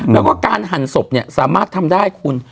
แล้วก็การหั่นศพเนี่ยสามารถทำได้คุณ